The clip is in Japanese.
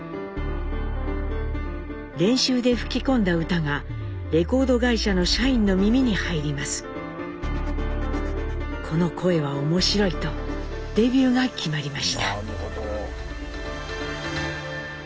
練習で吹き込んだ歌がレコード会社の社員の耳に入ります。とデビューが決まりました。